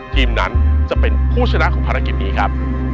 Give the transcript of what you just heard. ทีมนั้นจะเป็นผู้ชนะของภารกิจนี้ครับ